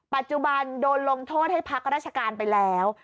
ปัจจุบันโดนลงโทษให้พักราชการไปแล้ว